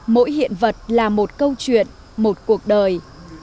mỗi hiện vật là một câu chuyện một cuộc đời